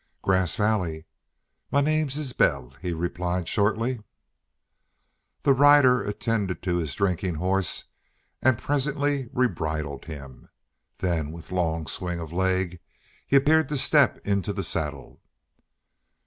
"Grass Valley. My name's Isbel," he replied, shortly. The rider attended to his drinking horse and presently rebridled him; then with long swing of leg he appeared to step into the saddle.